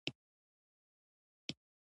وادي د افغان تاریخ په کتابونو کې ذکر شوی دي.